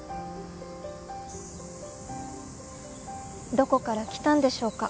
どこから来たんでしょうか